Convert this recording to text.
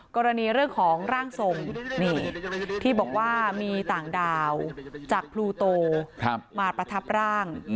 กรณีเรื่องของร่างทรงที่บอกว่ามีต่างดาวจากพลูโตมาประทับร่าง